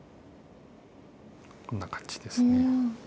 こんな感じですね。